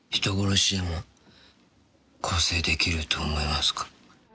「人殺しでも更生できると思いますか？」